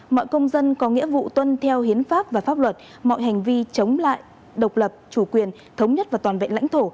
mọi công dân có nghĩa vụ tuân theo hiến pháp và pháp luật mọi hành vi chống lại độc lập chủ quyền thống nhất và toàn vẹn lãnh thổ